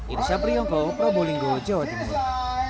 ini sapri yonko pro bowling go jawa timur